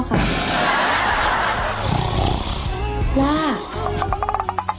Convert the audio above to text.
คุณพ่อเลี้ยงหนูหนูเลี้ยงพ่อค่ะ